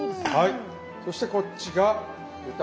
そしてこっちが豚バラ肉。